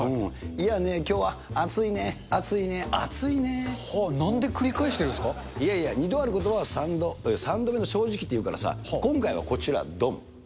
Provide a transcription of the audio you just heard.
いやね、きょうは暑いね、はあ、なんで繰り返してるんいやいや、二度あることは三度、三度目の正直って言うからさ、今回はこちら、どん。